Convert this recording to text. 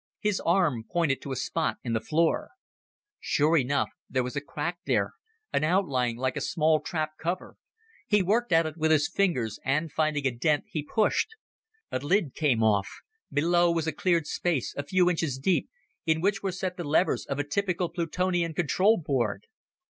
His arm pointed to a spot in the floor. Sure enough, there was a crack there, an outline like a small trap cover. He worked at it with his fingers and, finding a dent, he pushed. A lid came off. Below was a cleared space, a few inches deep, in which were set the levers of a typical Plutonian control board.